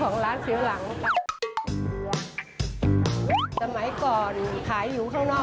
เป็นนั่งค่างนึงก็เป็นนั่ง